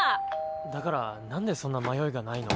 だからなんでそんな迷いがないの？